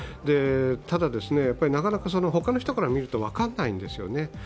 ただ、なかなか他の人から見ると分からないんですよね。